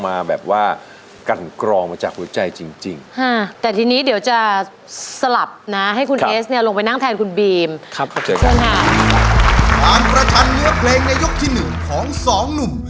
ผ่านพระชันเนื้อเพลงในยกที่๑ของ๒หนุ่ม